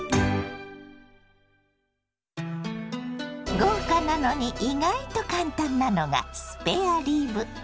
豪華なのに意外と簡単なのがスペアリブ。